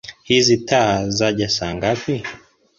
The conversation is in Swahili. Hizi taa zaja saa ngapi?